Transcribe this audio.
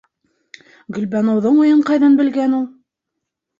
Гөлбаныуҙың уйын ҡайҙан белгән ул?